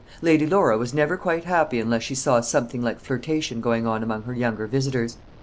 Lady Laura was never quite happy unless she saw something like flirtation going on among her younger visitors.